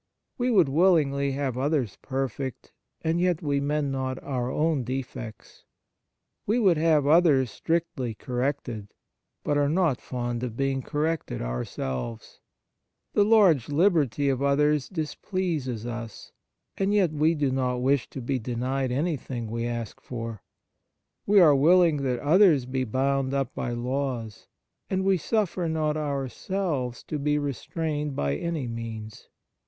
We would willingly have others perfect, and yet we mend not our own defects. We would have others strictly corrected, but are not fond of being corrected ourselves. The large 22 Fourth Characteristic liberty of others displeases us, and yet we do not wish to be denied anything we ask for. We are willing that others be bound up by laws, and we suffer not ourselves to be restrained by any means.